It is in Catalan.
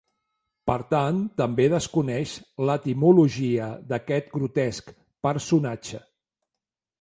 Per tant, també desconeix l’etimologia d’aquest grotesc personatge.